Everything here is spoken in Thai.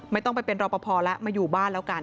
ไม่ต้องไปเป็นรอปภแล้วมาอยู่บ้านแล้วกัน